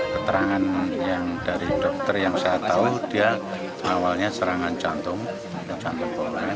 keterangan dari dokter yang saya tahu dia awalnya serangan jantung jantung polen